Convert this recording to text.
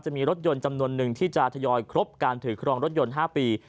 จะมีรถยนต์จำนวนหนึ่งที่จะทยอยครบการถือครองรถยนต์๕ปี